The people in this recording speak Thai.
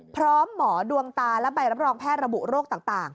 พร้อมหมอดวงตาและใบรับรองแพทย์ระบุโรคต่าง